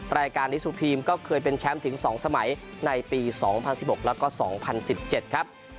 รายการนิซูพีมก็เคยเป็นแชมป์ถึง๒สมัยในปี๒๐๑๖แล้วก็๒๐๑๗ครับ